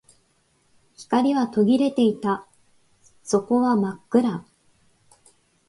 光は途切れていた。底は真っ暗。